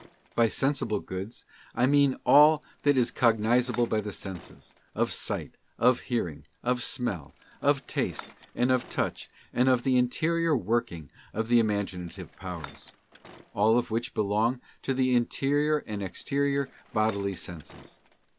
By sensible goods I mean all that is cognisable by the senses, of sight, of hearing, of smell, of taste and of touch, and of the interior working of the imaginative powers ; all of which belong to the interior and exterior bodily senses.